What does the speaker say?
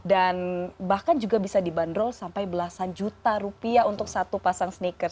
dan bahkan juga bisa dibanderol sampai belasan juta rupiah untuk satu pasang sneakers